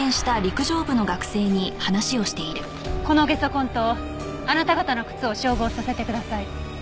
このゲソ痕とあなた方の靴を照合させてください。